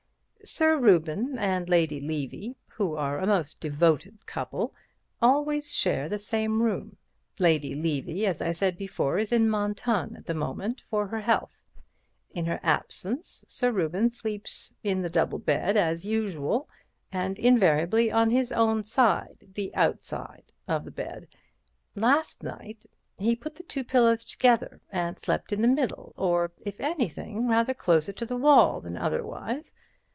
"Sir Reuben and Lady Levy, who are a most devoted couple, always share the same room. Lady Levy, as I said before, is in Mentone at the moment for her health. In her absence, Sir Reuben sleeps in the double bed as usual, and invariably on his own side—the outside—of the bed. Last night he put the two pillows together and slept in the middle, or, if anything, rather closer to the wall than otherwise.